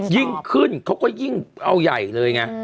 ยิ่งขึ้นเขาก็ยิ่งเอาใหญ่เลยไง